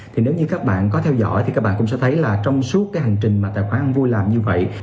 thì nếu như các bạn có theo dõi thì các bạn cũng sẽ thấy là trong suốt cái hành trình mà tài khoản vui làm như vậy